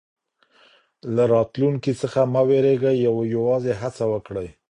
له راتلونکي څخه مه وېرېږئ او یوازې هڅه وکړئ.